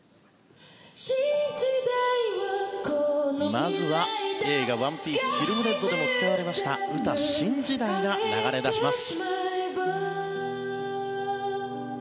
まずは、映画「ＯＮＥＰＩＥＣＥＦＩＬＭＲＥＤ」でも使われましたウタ「新時代」が流れ出します。